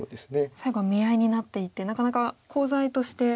最後は見合いになっていてなかなかコウ材として。